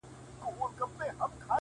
خپله مسره ور یاده شي